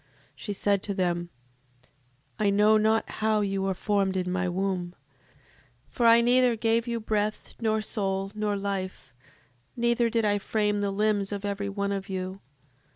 She said to them: I know not how you were formed in my womb; for I neither gave you breath, nor soul, nor life, neither did I frame the limbs of every one of you.